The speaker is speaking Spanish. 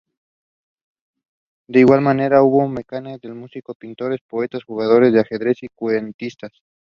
De igual manera, hubo mecenas de músicos, pintores, poetas, jugadores de ajedrez, y cuentistas.